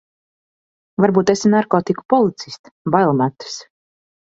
Varbūt esi narkotiku policiste, bail metas.